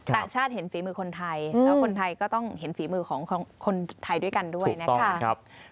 ต่างชาติเห็นฝีมือคนไทยแล้วคนไทยก็ต้องเห็นฝีมือของคนไทยด้วยกันด้วยนะคะ